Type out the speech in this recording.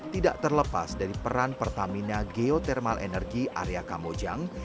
tidak terlepas dari peran pertamina geotermal energi arya kamojang